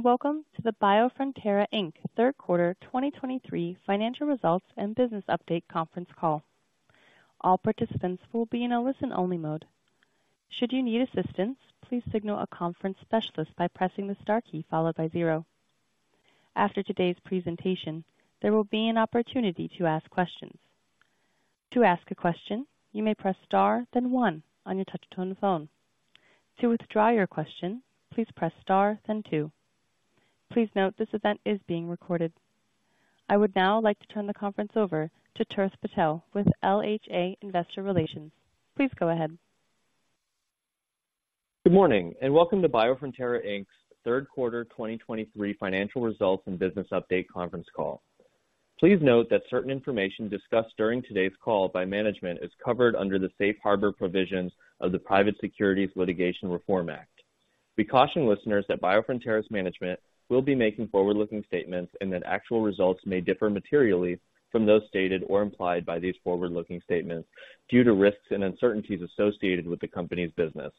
Welcome to the Biofrontera Inc. third quarter 2023 financial results and business update conference call. All participants will be in a listen-only mode. Should you need assistance, please signal a conference specialist by pressing the star key followed by zero. After today's presentation, there will be an opportunity to ask questions. To ask a question, you may press star, then one on your touch-tone phone. To withdraw your question, please press star, then two. Please note this event is being recorded. I would now like to turn the conference over to Tirth Patel with LHA Investor Relations. Please go ahead. Good morning, and welcome to Biofrontera Inc.'s third quarter 2023 financial results and business update conference call. Please note that certain information discussed during today's call by management is covered under the safe harbor provisions of the Private Securities Litigation Reform Act. We caution listeners that Biofrontera's management will be making forward-looking statements and that actual results may differ materially from those stated or implied by these forward-looking statements due to risks and uncertainties associated with the Company's business.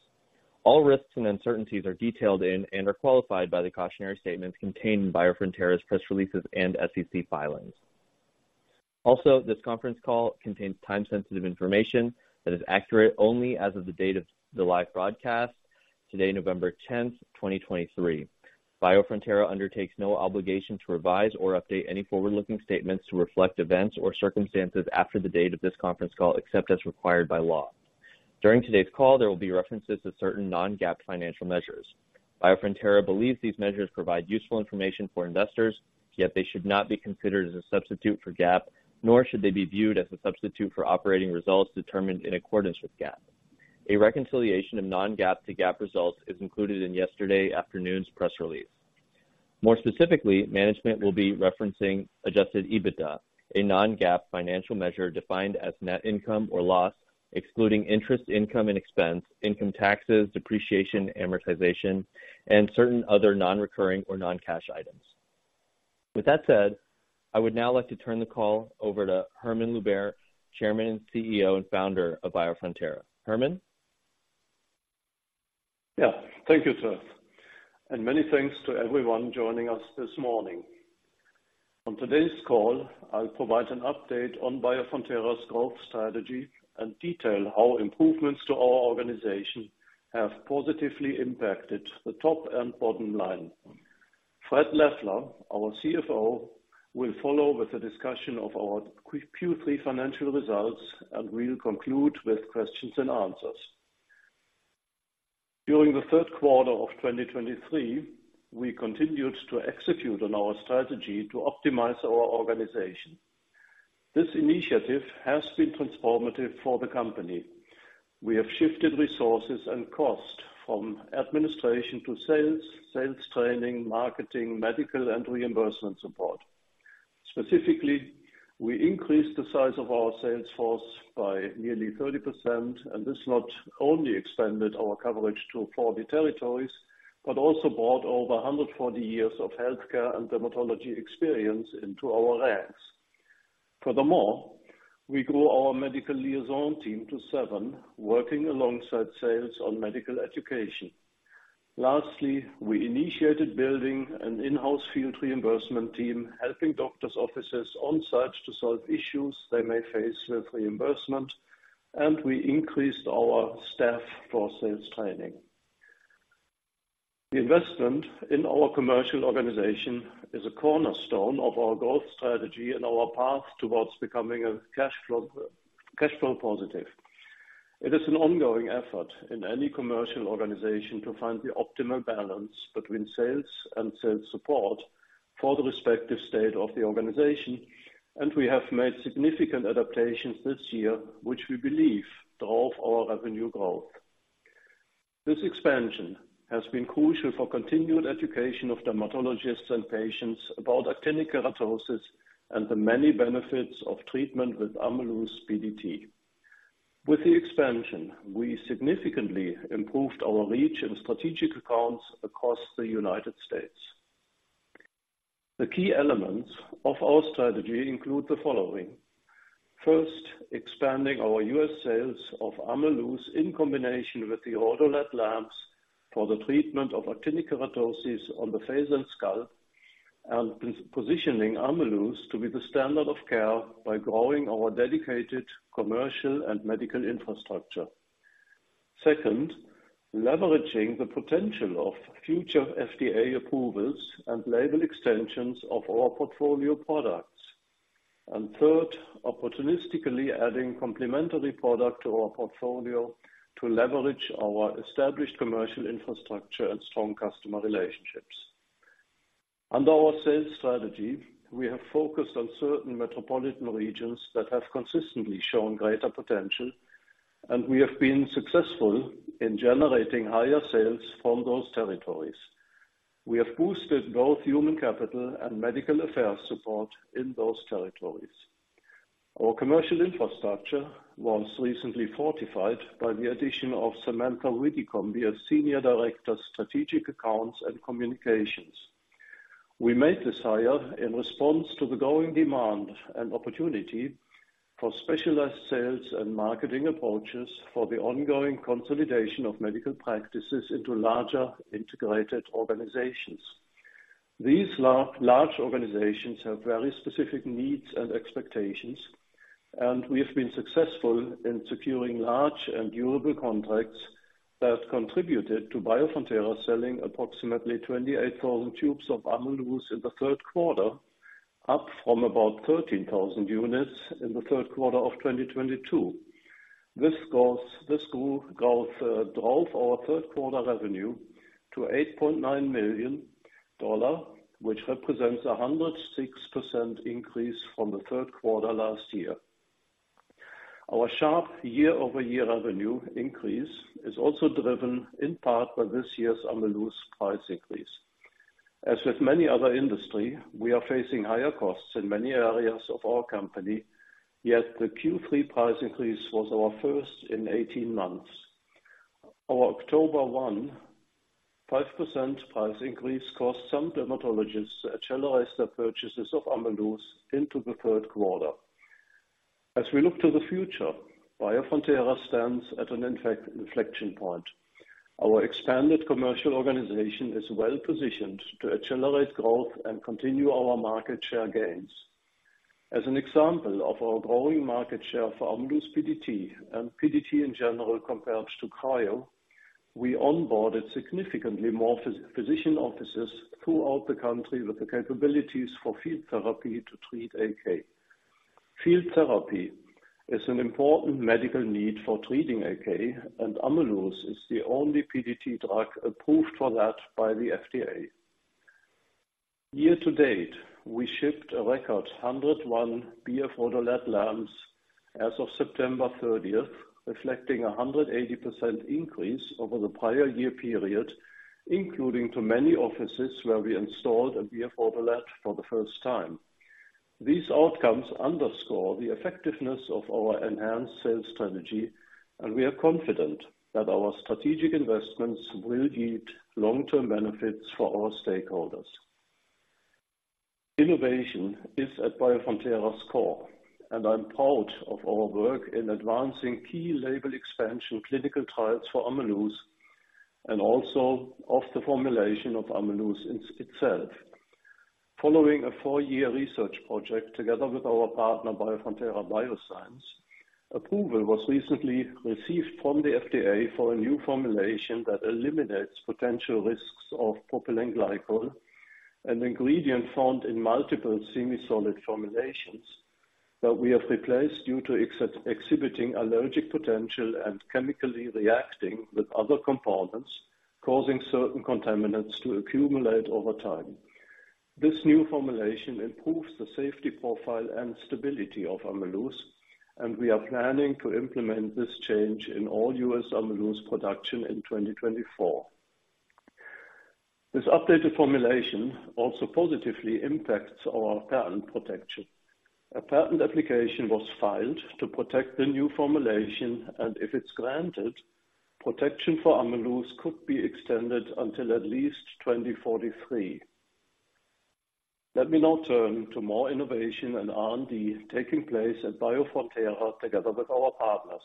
All risks and uncertainties are detailed in and are qualified by the cautionary statements contained in Biofrontera's press releases and SEC filings. Also, this conference call contains time-sensitive information that is accurate only as of the date of the live broadcast, today, November 10th, 2023. Biofrontera undertakes no obligation to revise or update any forward-looking statements to reflect events or circumstances after the date of this conference call, except as required by law. During today's call, there will be references to certain non-GAAP financial measures. Biofrontera believes these measures provide useful information for investors, yet they should not be considered as a substitute for GAAP, nor should they be viewed as a substitute for operating results determined in accordance with GAAP. A reconciliation of non-GAAP to GAAP results is included in yesterday afternoon's press release. More specifically, management will be referencing adjusted EBITDA, a non-GAAP financial measure defined as net income or loss, excluding interest, income and expense, income taxes, depreciation, amortization, and certain other non-recurring or non-cash items. With that said, I would now like to turn the call over to Hermann Luebbert, Chairman, CEO, and Founder of Biofrontera. Hermann? Yeah. Thank you, sir, and many thanks to everyone joining us this morning. On today's call, I'll provide an update on Biofrontera's growth strategy and detail how improvements to our organization have positively impacted the top and bottom line. Fred Leffler, our CFO, will follow with a discussion of our Q3 financial results, and we'll conclude with questions and answers. During the third quarter of 2023, we continued to execute on our strategy to optimize our organization. This initiative has been transformative for the company. We have shifted resources and cost from administration to sales, sales training, marketing, medical, and reimbursement support. Specifically, we increased the size of our sales force by nearly 30%, and this not only expanded our coverage to four territories, but also brought over 140 years of healthcare and dermatology experience into our ranks. Furthermore, we grew our medical liaison team to seven, working alongside sales on medical education. Lastly, we initiated building an in-house field reimbursement team, helping doctors' offices on-site to solve issues they may face with reimbursement, and we increased our staff for sales training. The investment in our commercial organization is a cornerstone of our growth strategy and our path towards becoming a cash flow, cash flow positive. It is an ongoing effort in any commercial organization to find the optimal balance between sales and sales support for the respective state of the organization, and we have made significant adaptations this year, which we believe drove our revenue growth. This expansion has been crucial for continued education of dermatologists and patients about actinic keratosis and the many benefits of treatment with AMELUZ's PDT. With the expansion, we significantly improved our reach in strategic accounts across the United States. The key elements of our strategy include the following. First, expanding our U.S. sales of AMELUZ in combination with the RhodoLED lamps for the treatment of actinic keratosis on the face and scalp, and positioning AMELUZ to be the standard of care by growing our dedicated commercial and medical infrastructure. Second, leveraging the potential of future FDA approvals and label extensions of our portfolio products. And third, opportunistically adding complementary product to our portfolio to leverage our established commercial infrastructure and strong customer relationships. Under our sales strategy, we have focused on certain metropolitan regions that have consistently shown greater potential, and we have been successful in generating higher sales from those territories. We have boosted both human capital and medical affairs support in those territories. Our commercial infrastructure was recently fortified by the addition of Samantha Widdicombe as Senior Director, Strategic Accounts and Communications. We made this hire in response to the growing demand and opportunity for specialized sales and marketing approaches for the ongoing consolidation of medical practices into larger, integrated organizations. These large organizations have very specific needs and expectations, and we have been successful in securing large and durable contracts that contributed to Biofrontera selling approximately 28,000 tubes of AMELUZ in the third quarter, up from about 13,000 units in the third quarter of 2022. This growth drove our third quarter revenue to $8.9 million, which represents a 106% increase from the third quarter last year. Our sharp year-over-year revenue increase is also driven in part by this year's AMELUZ price increase. As with many other industries, we are facing higher costs in many areas of our company, yet the Q3 price increase was our first in 18 months. Our October 1, 5% price increase caused some dermatologists to accelerate their purchases of AMELUZ into the third quarter. As we look to the future, Biofrontera stands at an inflection point. Our expanded commercial organization is well positioned to accelerate growth and continue our market share gains. As an example of our growing market share for AMELUZ PDT and PDT in general, compared to cryo, we onboarded significantly more physician offices throughout the country with the capabilities for field therapy to treat AK. Field therapy is an important medical need for treating AK, and AMELUZ is the only PDT drug approved for that by the FDA. Year to date, we shipped a record 101 BF-RhodoLED lamps as of September 30th, reflecting a 180% increase over the prior year period, including to many offices where we installed a BF-RhodoLED for the first time. These outcomes underscore the effectiveness of our enhanced sales strategy, and we are confident that our strategic investments will yield long-term benefits for our stakeholders. Innovation is at Biofrontera's core, and I'm proud of our work in advancing key label expansion, clinical trials for AMELUZ, and also of the formulation of AMELUZ in itself. Following a four-year research project together with our partner, Biofrontera Bioscience, approval was recently received from the FDA for a new formulation that eliminates potential risks of propylene glycol, an ingredient found in multiple semisolid formulations, that we have replaced due to exhibiting allergic potential and chemically reacting with other components, causing certain contaminants to accumulate over time. This new formulation improves the safety profile and stability of AMELUZ, and we are planning to implement this change in all U.S. AMELUZ production in 2024. This updated formulation also positively impacts our patent protection. A patent application was filed to protect the new formulation, and if it's granted, protection for AMELUZ could be extended until at least 2043. Let me now turn to more innovation and R&D taking place at Biofrontera together with our partners.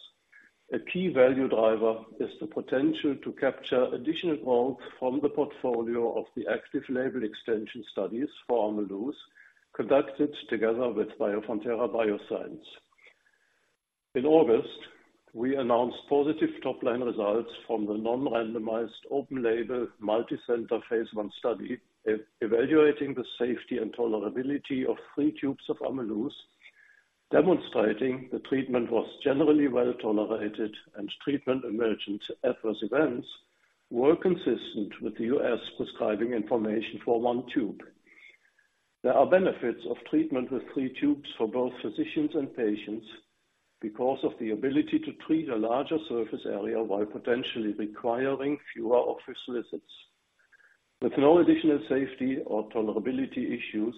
A key value driver is the potential to capture additional growth from the portfolio of the active label extension studies for AMELUZ, conducted together with Biofrontera Bioscience. In August, we announced positive top-line results from the non-randomized, open label, multicenter Phase I study, evaluating the safety and tolerability of three tubes of AMELUZ, demonstrating the treatment was generally well tolerated, and treatment-emergent adverse events were consistent with the U.S. prescribing information for one tube. There are benefits of treatment with three tubes for both physicians and patients, because of the ability to treat a larger surface area while potentially requiring fewer office visits. With no additional safety or tolerability issues,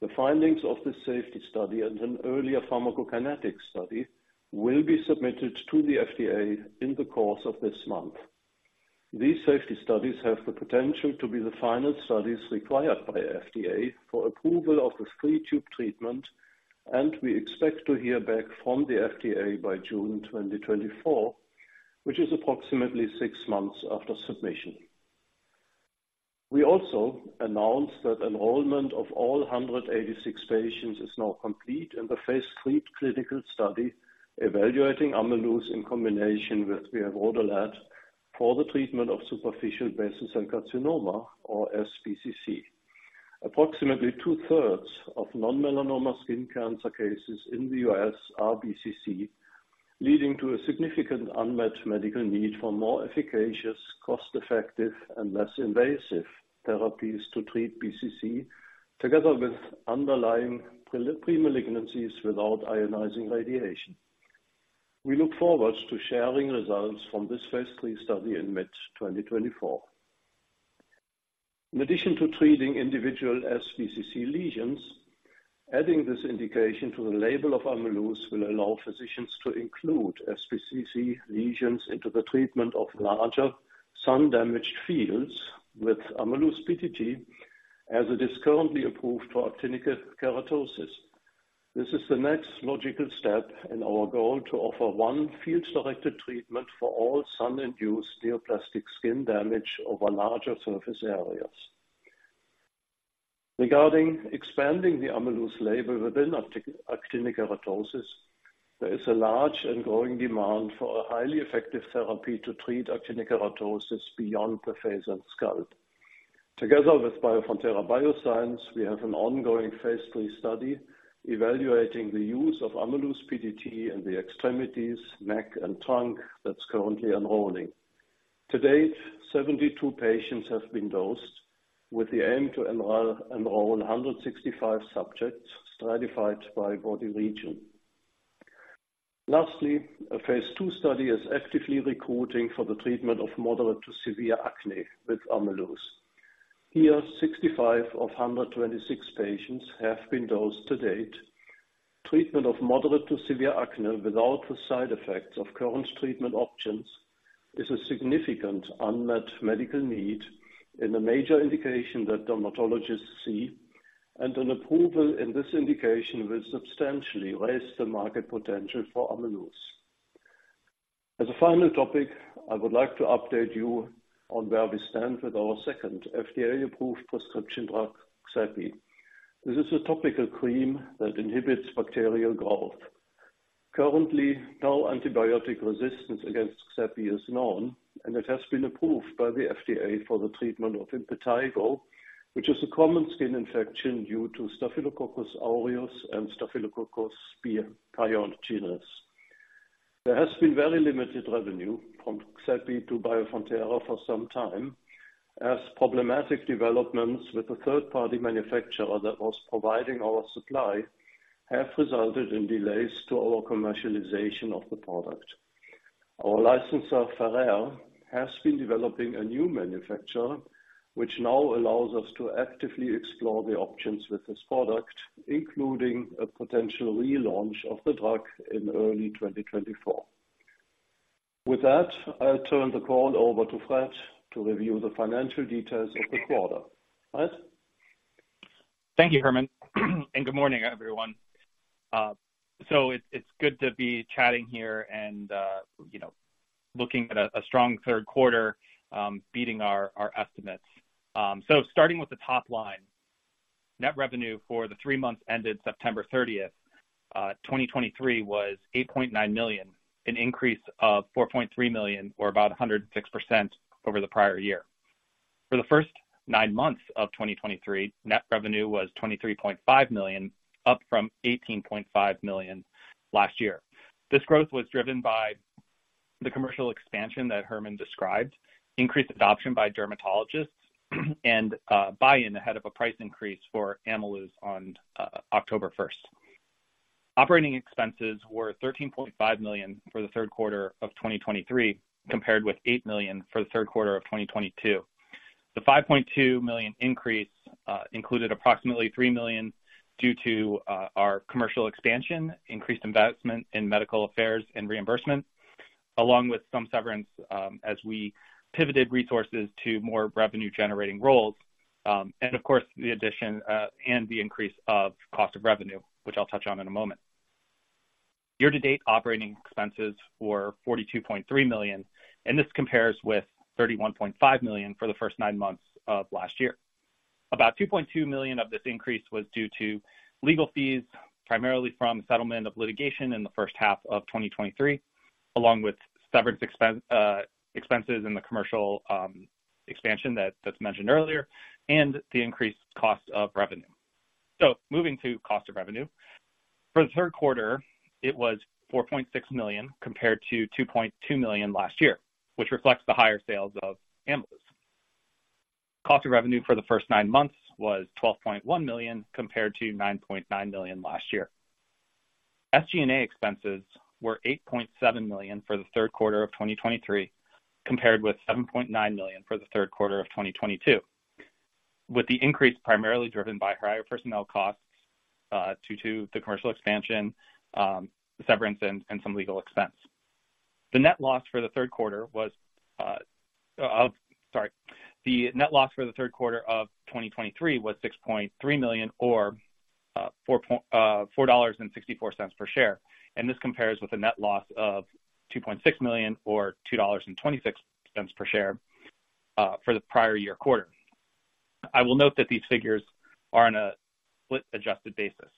the findings of this safety study and an earlier pharmacokinetic study will be submitted to the FDA in the course of this month. These safety studies have the potential to be the final studies required by FDA for approval of the three-tube treatment, and we expect to hear back from the FDA by June 2024, which is approximately six months after submission. We also announced that enrollment of all 186 patients is now complete in the Phase III clinical study, evaluating AMELUZ in combination with BF-RhodoLED for the treatment of superficial basal cell carcinoma or sBCC. Approximately 2/3 of non-melanoma skin cancer cases in the U.S. are BCC, leading to a significant unmet medical need for more efficacious, cost-effective, and less invasive therapies to treat BCC, together with underlying pre-malignancies without ionizing radiation. We look forward to sharing results from this Phase III study in mid-2024. In addition to treating individual sBCC lesions-... Adding this indication to the label of AMELUZ will allow physicians to include sBCC lesions into the treatment of larger sun-damaged fields with AMELUZ PDT, as it is currently approved for actinic keratosis. This is the next logical step in our goal to offer one field-selected treatment for all sun-induced neoplastic skin damage over larger surface areas. Regarding expanding the AMELUZ label within actinic keratosis, there is a large and growing demand for a highly effective therapy to treat actinic keratosis beyond the face and scalp. Together with Biofrontera Bioscience, we have an ongoing Phase III study evaluating the use of AMELUZ PDT in the extremities, neck, and trunk that's currently enrolling. To date, 72 patients have been dosed, with the aim to enroll 165 subjects stratified by body region. Lastly, a Phase II study is actively recruiting for the treatment of moderate to severe acne with AMELUZ. Here, 65 of 126 patients have been dosed to date. Treatment of moderate to severe acne without the side effects of current treatment options is a significant unmet medical need in a major indication that dermatologists see, and an approval in this indication will substantially raise the market potential for AMELUZ. As a final topic, I would like to update you on where we stand with our second FDA-approved prescription drug, XEPI. This is a topical cream that inhibits bacterial growth. Currently, no antibiotic resistance against XEPI is known, and it has been approved by the FDA for the treatment of impetigo, which is a common skin infection due to Staphylococcus aureus and Streptococcus pyogenes. There has been very limited revenue from XEPI to Biofrontera for some time, as problematic developments with the third-party manufacturer that was providing our supply have resulted in delays to our commercialization of the product. Our licensor, Ferrer, has been developing a new manufacturer, which now allows us to actively explore the options with this product, including a potential relaunch of the drug in early 2024. With that, I'll turn the call over to Fred to review the financial details of the quarter. Fred? Thank you, Hermann, and good morning, everyone. It's good to be chatting here and, you know, looking at a strong third quarter, beating our estimates. Starting with the top line, net revenue for the three months ended September 30th, 2023 was $8.9 million, an increase of $4.3 million, or about 106% over the prior year. For the first nine months of 2023, net revenue was $23.5 million, up from $18.5 million last year. This growth was driven by the commercial expansion that Hermann described, increased adoption by dermatologists, and buy-in ahead of a price increase for AMELUZ on October 1st. Operating expenses were $13.5 million for the third quarter of 2023, compared with $8 million for the third quarter of 2022. The $5.2 million increase included approximately $3 million due to our commercial expansion, increased investment in medical affairs and reimbursement, along with some severance as we pivoted resources to more revenue-generating roles. And of course, the addition and the increase of cost of revenue, which I'll touch on in a moment. Year-to-date operating expenses were $42.3 million, and this compares with $31.5 million for the first nine months of last year. About $2.2 million of this increase was due to legal fees, primarily from settlement of litigation in the first half of 2023, along with severance expenses in the commercial expansion that's mentioned earlier, and the increased cost of revenue. So moving to cost of revenue. For the third quarter, it was $4.6 million, compared to $2.2 million last year, which reflects the higher sales of AMELUZ. Cost of revenue for the first nine months was $12.1 million, compared to $9.9 million last year. SG&A expenses were $8.7 million for the third quarter of 2023, compared with $7.9 million for the third quarter of 2022, with the increase primarily driven by higher personnel costs due to the commercial expansion, severance, and some legal expense. The net loss for the third quarter was, sorry, the net loss for the third quarter of 2023 was $6.3 million, or $4.64 per share, and this compares with a net loss of $2.6 million, or $2.26 per share, for the prior year quarter. I will note that these figures are on a split-adjusted basis.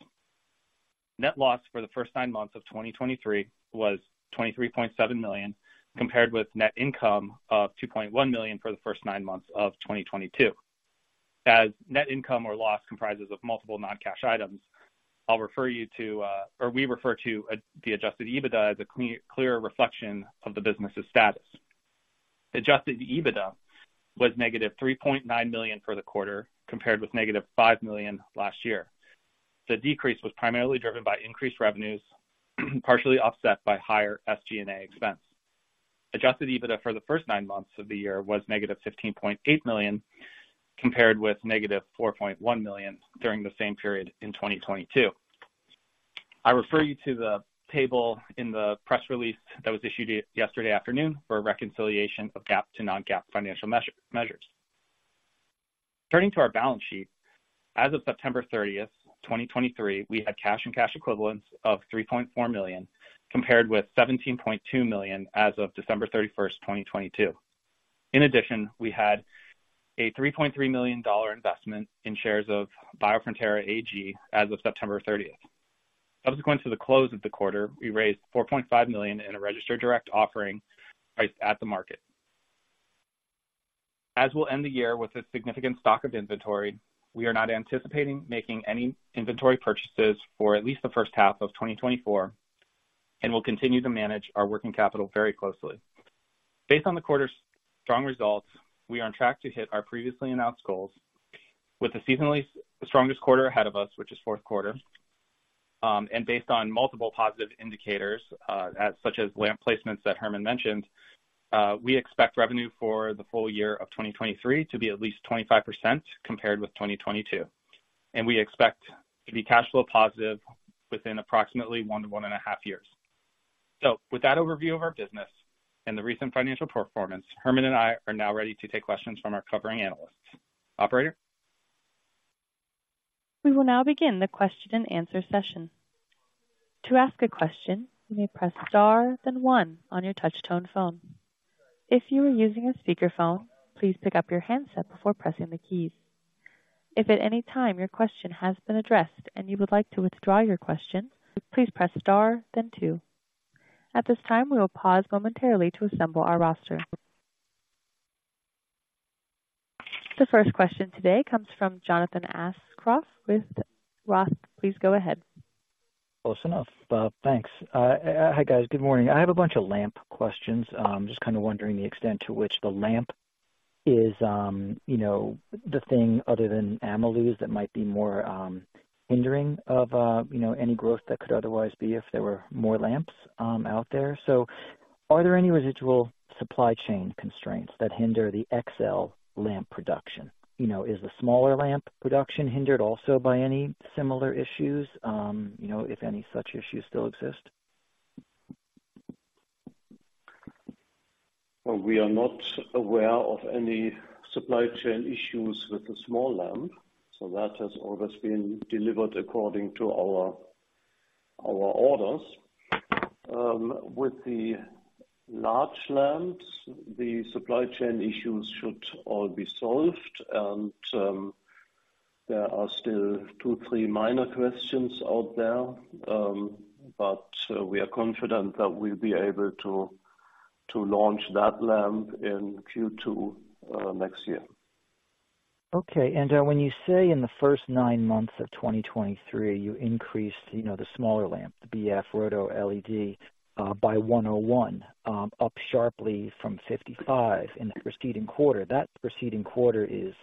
Net loss for the first nine months of 2023 was $23.7 million, compared with net income of $2.1 million for the first nine months of 2022. As net income or loss comprises multiple non-cash items, I'll refer you to, or we refer to, the adjusted EBITDA as a clearer reflection of the business's status. Adjusted EBITDA was -$3.9 million for the quarter, compared with -$5 million last year. The decrease was primarily driven by increased revenues, partially offset by higher SG&A expense. Adjusted EBITDA for the first nine months of the year was -$15.8 million, compared with -$4.1 million during the same period in 2022. I refer you to the table in the press release that was issued yesterday afternoon for a reconciliation of GAAP to non-GAAP financial measures. Turning to our balance sheet, as of September 30th, 2023, we had cash and cash equivalents of $3.4 million, compared with $17.2 million as of December 31st, 2022. In addition, we had a $3.3 million investment in shares of Biofrontera AG as of September 30th. Subsequent to the close of the quarter, we raised $4.5 million in a registered direct offering priced at the market. As we'll end the year with a significant stock of inventory, we are not anticipating making any inventory purchases for at least the first half of 2024 and will continue to manage our working capital very closely. Based on the quarter's strong results, we are on track to hit our previously announced goals with the seasonally strongest quarter ahead of us, which is fourth quarter. And based on multiple positive indicators, such as lamp placements that Hermann mentioned, we expect revenue for the full year of 2023 to be at least 25% compared with 2022. And we expect to be cash flow positive within approximately one and one and a half years. With that overview of our business and the recent financial performance, Hermann and I are now ready to take questions from our covering analysts. Operator? We will now begin the question and answer session. To ask a question, you may press star then one on your touch-tone phone. If you are using a speakerphone, please pick up your handset before pressing the keys. If at any time your question has been addressed and you would like to withdraw your question, please press star then two. At this time, we will pause momentarily to assemble our roster. The first question today comes from Jonathan Aschoff with Roth. Please go ahead. Close enough. Thanks. Hi, guys. Good morning. I have a bunch of lamp questions. Just kind of wondering the extent to which the lamp is, you know, the thing other than AMELUZ that might be more, hindering of, you know, any growth that could otherwise be if there were more lamps, out there. So are there any residual supply chain constraints that hinder the XL lamp production? You know, is the smaller lamp production hindered also by any similar issues, you know, if any such issues still exist? Well, we are not aware of any supply chain issues with the small lamp, so that has always been delivered according to our orders. With the large lamps, the supply chain issues should all be solved and there are still two, three minor questions out there, but we are confident that we'll be able to launch that lamp in Q2 next year. Okay, and when you say in the first nine months of 2023, you increased, you know, the smaller lamp, the BF-RhodoLED, by 101, up sharply from 55 in the preceding quarter. That preceding quarter is,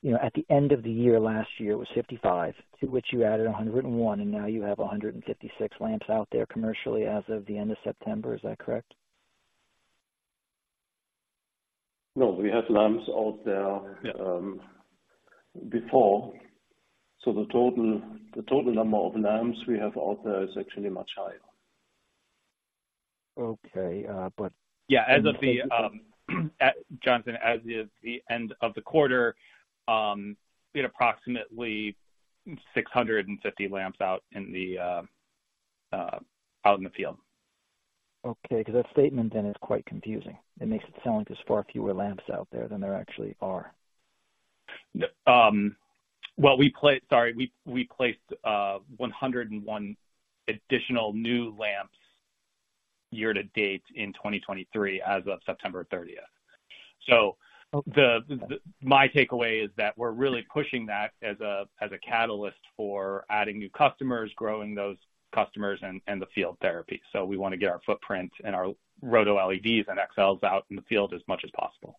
you know, at the end of the year, last year, it was 55, to which you added 101, and now you have 156 lamps out there commercially as of the end of September. Is that correct? No, we had lamps out there before, so the total, the total number of lamps we have out there is actually much higher. Okay. Yeah, as of the end of the quarter, Jonathan, we had approximately 650 lamps out in the field. Okay, because that statement then is quite confusing. It makes it sound like there's far fewer lamps out there than there actually are. Well, we placed... Sorry. We placed 101 additional new lamps year to date in 2023 as of September 30th. So the- Okay. My takeaway is that we're really pushing that as a catalyst for adding new customers, growing those customers and the field therapy. So we want to get our footprint and our RhodoLEDs and XLs out in the field as much as possible.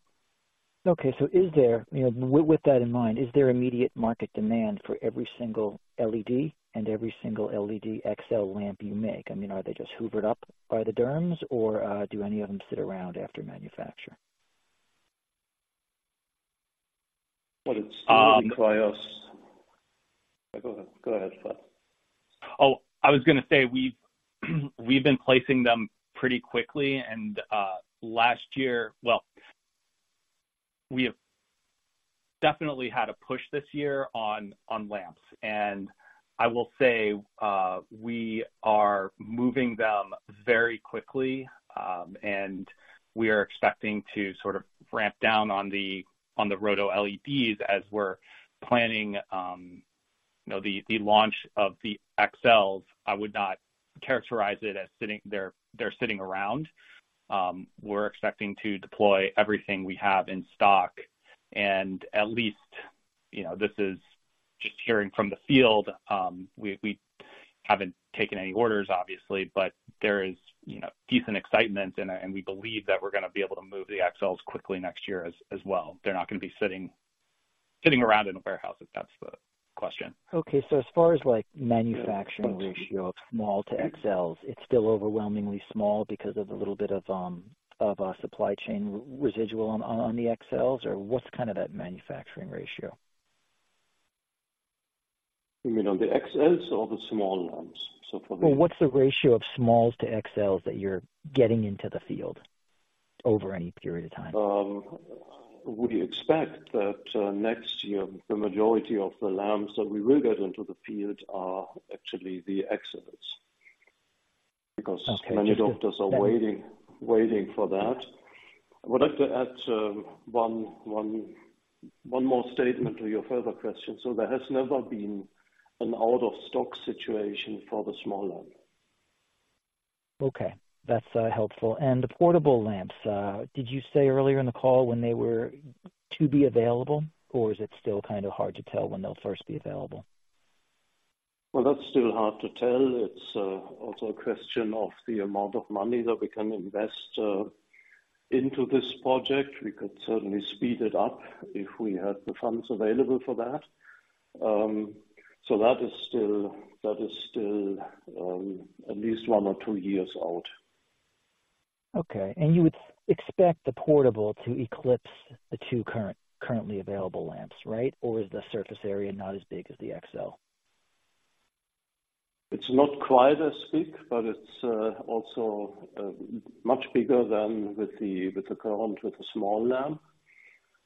Okay, so is there, you know, with that in mind, is there immediate market demand for every single LED and every single LED XL lamp you make? I mean, are they just hoovered up by the derms, or do any of them sit around after manufacture? Well, it's by us. Go ahead. Go ahead, Fred. Oh, I was going to say, we've, we've been placing them pretty quickly and, last year. Well, we have definitely had a push this year on, on lamps, and I will say, we are moving them very quickly, and we are expecting to sort of ramp down on the, on the RhodoLEDs as we're planning, you know, the, the launch of the XLs. I would not characterize it as sitting - they're, they're sitting around. We're expecting to deploy everything we have in stock and at least, you know, this is just hearing from the field, we, we haven't taken any orders, obviously, but there is, you know, decent excitement and, and we believe that we're going to be able to move the XLs quickly next year as, as well. They're not going to be sitting. Sitting around in a warehouse, if that's the question. Okay, so as far as, like, manufacturing ratio of small to XLs, it's still overwhelmingly small because of the little bit of supply chain residual on the XLs, or what's kind of that manufacturing ratio? You mean on the XLs or the small lamps? So for the- Well, what's the ratio of smalls to XLs that you're getting into the field over any period of time? We expect that, next year, the majority of the lamps that we will get into the field are actually the XLs, because- Okay. Many doctors are waiting, waiting for that. I would like to add one more statement to your further question. So there has never been an out-of-stock situation for the small lamp. Okay, that's helpful. And the portable lamps, did you say earlier in the call when they were to be available, or is it still kind of hard to tell when they'll first be available? Well, that's still hard to tell. It's also a question of the amount of money that we can invest into this project. We could certainly speed it up if we had the funds available for that. So that is still, that is still, at least one or two years out. Okay. You would expect the portable to eclipse the two current, currently available lamps, right? Or is the surface area not as big as the XL? It's not quite as big, but it's also much bigger than with the current small lamp.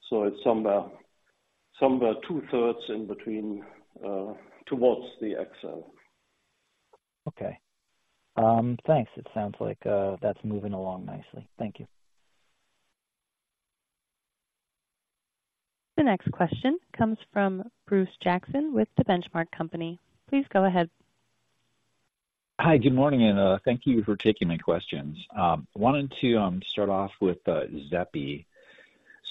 So it's somewhere 2/3 in between towards the XL. Okay. Thanks. It sounds like, that's moving along nicely. Thank you. The next question comes from Bruce Jackson with The Benchmark Company. Please go ahead. Hi, good morning, and thank you for taking my questions. I wanted to start off with XEPI.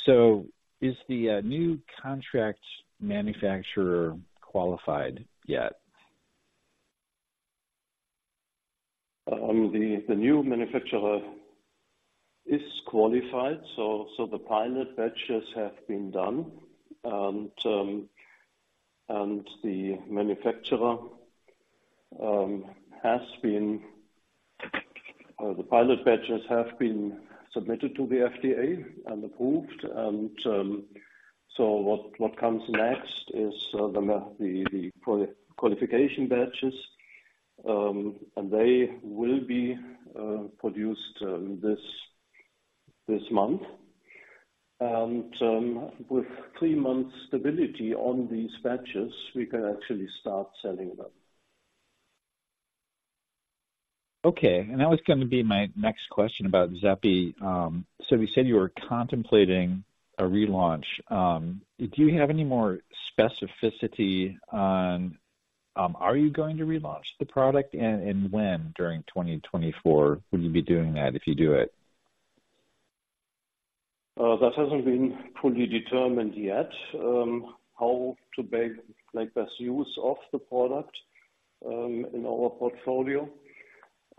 So is the new contract manufacturer qualified yet? The new manufacturer is qualified, so the pilot batches have been done. And the manufacturer has been... The pilot batches have been submitted to the FDA and approved. And so what comes next is the qualification batches. And they will be produced this month. And with three months stability on these batches, we can actually start selling them. Okay, and that was going to be my next question about XEPI. So you said you were contemplating a relaunch. Do you have any more specificity on, are you going to relaunch the product, and, and when, during 2024, would you be doing that, if you do it? That hasn't been fully determined yet, how to make best use of the product in our portfolio.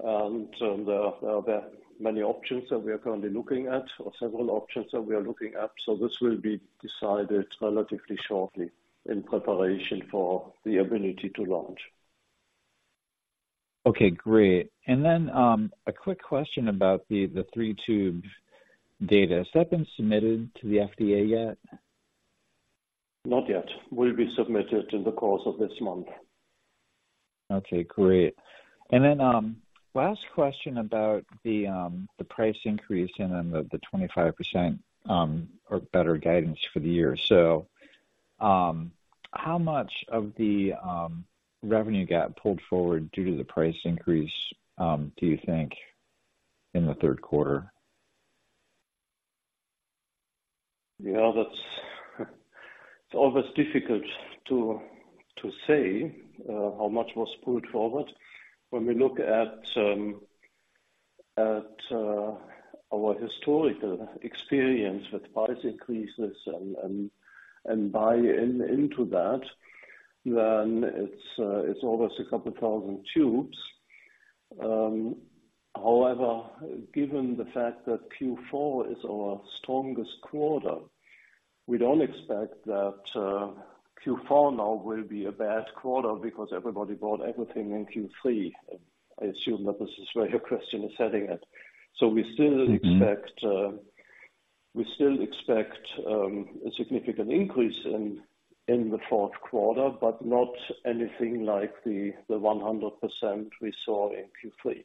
And there are many options that we are currently looking at, or several options that we are looking at, so this will be decided relatively shortly in preparation for the ability to launch. Okay, great. And then, a quick question about the three tube data. Has that been submitted to the FDA yet? Not yet. Will be submitted in the course of this month. Okay, great. And then, last question about the price increase and then the 25% or better guidance for the year. So, how much of the revenue got pulled forward due to the price increase, do you think, in the third quarter? Yeah, that's... It's always difficult to say how much was pulled forward. When we look at our historical experience with price increases and buy-in into that, then it's always a couple thousand tubes. However, given the fact that Q4 is our strongest quarter, we don't expect that Q4 now will be a bad quarter because everybody bought everything in Q3. I assume that this is where your question is heading at. So we still- Mm-hmm. We still expect a significant increase in the fourth quarter, but not anything like the 100% we saw in Q3.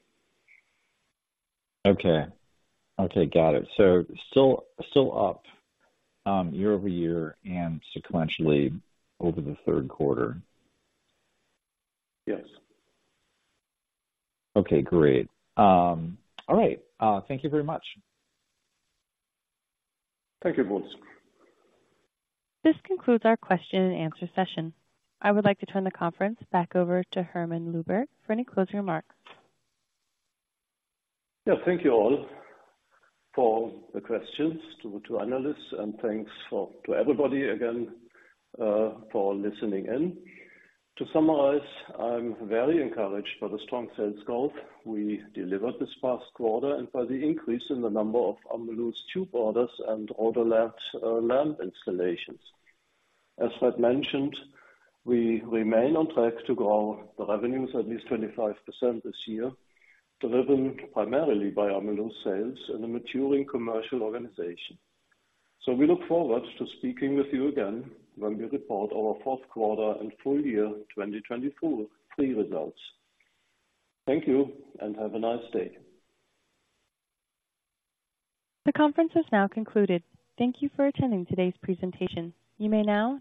Okay. Okay, got it. So still, still up, year-over-year and sequentially over the third quarter? Yes. Okay, great. All right. Thank you very much. Thank you, Bruce. This concludes our question and answer session. I would like to turn the conference back over to Hermann Luebbert for any closing remarks. Yeah, thank you all for the questions to analysts, and thanks to everybody again for listening in. To summarize, I'm very encouraged by the strong sales growth we delivered this past quarter and by the increase in the number of AMELUZ tube orders and our lamps lamp installations. As I've mentioned, we remain on track to grow the revenues at least 25% this year, driven primarily by AMELUZ sales and the maturing commercial organization. So we look forward to speaking with you again when we report our fourth quarter and full year 2024 results. Thank you, and have a nice day. The conference is now concluded. Thank you for attending today's presentation. You may now disconnect.